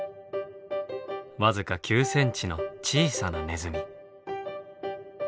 僅か９センチの小さなネズミ。